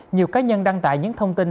nhiều cá nhân đăng tải những thông tin